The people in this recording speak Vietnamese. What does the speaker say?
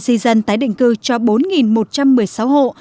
di dân tái định cư cho bốn một trăm một mươi sáu hộ